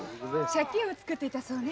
借金をつくっていたそうね？